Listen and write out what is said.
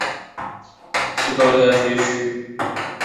该镇拥有著名的瑞米耶日修道院废墟。